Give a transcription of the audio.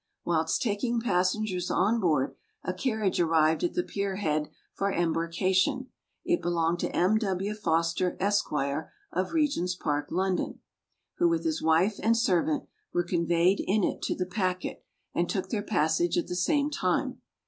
Whilst taking passengers on board, a carriage arrived at the Pierhead for embarkation. It belonged to M. W. Foster, Esq. of Regent's park, London, who, with his wife and servant, were conveyed in it to the packet, and took their passage at the same time.